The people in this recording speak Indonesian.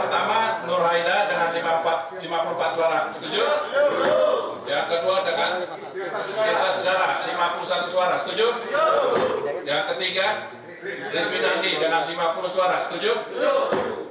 yang ketiga rizwinandi dengan lima puluh suara setuju